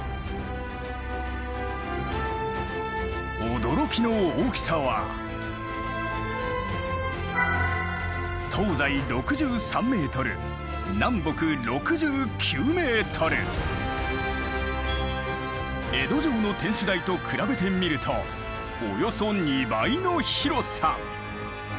驚きの大きさは江戸城の天守台と比べてみるとおよそ２倍の広さ。